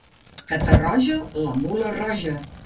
Catarroja, la mula roja.